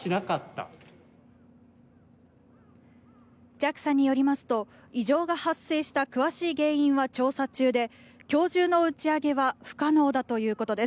ＪＡＸＡによりますと、異常が発生した詳しい原因は調査中で、今日中の打ち上げは不可能だということです。